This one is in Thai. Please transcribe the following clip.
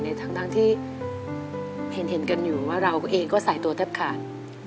ทั้งที่เห็นกันอยู่ว่าเราเองก็ใส่ตัวแทบขาด